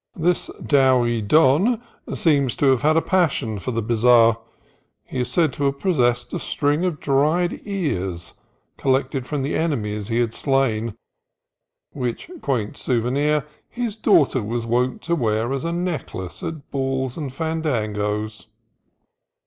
This doughty don seems to have had a passion for the bizarre. He is said to have possessed a string of dried ears collected from enemies he had slain; which quaint souvenir his daughter was wont to wear as a necklace at balls and fandangos.